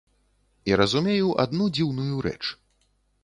І разумею адну дзіўную рэч.